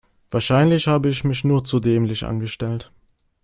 Wahrscheinlich habe ich mich nur zu dämlich angestellt.